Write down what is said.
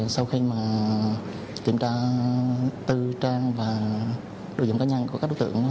sau khi kiểm tra tư trang và đối diện cá nhân của các đối tượng